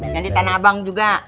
di tanah abang juga